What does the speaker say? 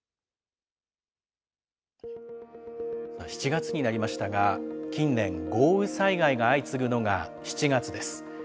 ７月になりましたが、近年、豪雨災害が相次ぐのが７月です。